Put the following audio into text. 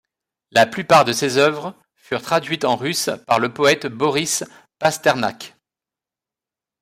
La plupart de ses œuvres furent traduites en russe par le poète Boris Pasternak.